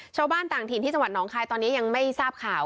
ชาวบ้านต่างถิ่นที่จังหวัดหนองคายตอนนี้ยังไม่ทราบข่าว